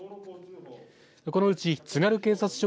このうち、つがる警察署